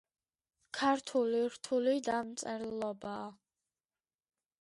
ქართული რთული დამწერლობაა